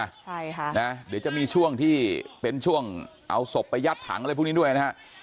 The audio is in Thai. ใช่ค่ะนะเดี๋ยวจะมีช่วงที่เป็นช่วงเอาศพไปยัดถังอะไรพวกนี้ด้วยนะฮะ